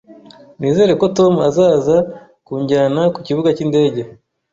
Nizere ko Tom azaza kunjyana ku kibuga cy'indege